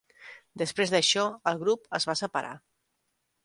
Després d'això, el grup es va separar.